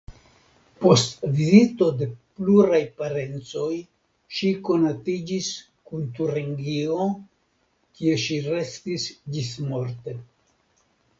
Post vizito de pluraj parencoj ŝi konatiĝis kun Turingio kie ŝi restis ĝismorte.